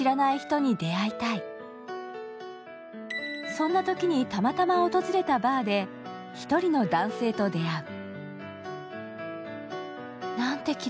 そんなときにたまたま訪れたバーで１人の男性と出会う。